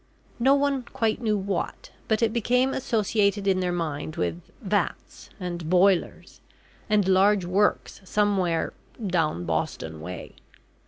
No one quite knew what, but it became associated in their minds with "vats" and "boilers," and large works somewhere "down Boston way."